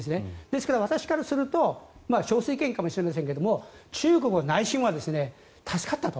ですから私からすると少数意見かもしれませんが中国も内心は助かったと。